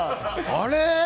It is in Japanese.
あれ。